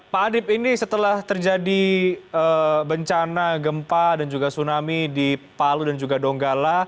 pak adip ini setelah terjadi bencana gempa dan juga tsunami di palu dan juga donggala